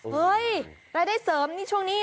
เฮ้ยรายได้เสริมนี่ช่วงนี้